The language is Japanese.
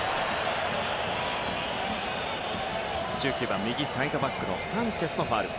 １９番、右サイドバックサンチェスのファウル。